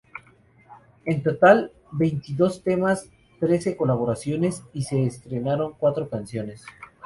En total son veintidós temas, trece colaboraciones y se estrenaron cuatro canciones.